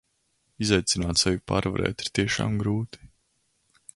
Izaicināt sevi pārvarēt ir tiešām grūti.